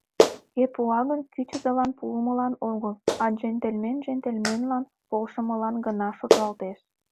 Кӧ пуа гын, кӱчызылан пуымылан огыл, а джентльмен джентльменлан полшымылан гына шотлалтеш.